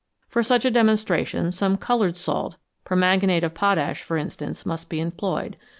For such a de monstration some coloured salt permanganate of potash, for instance must be employed.